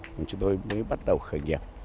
chúng tôi mới bắt đầu khởi nghiệp